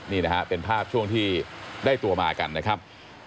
นี่นะฮะเป็นภาพช่วงที่ได้ตัวมากันนะครับ